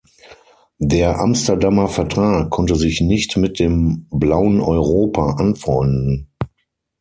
Der Amsterdamer Vertrag konnte sich nicht mit dem "Blauen Europa" anfreunden.